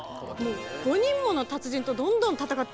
５人もの達人とどんどん戦っていくっていう構想で。